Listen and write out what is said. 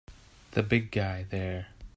The big guy there!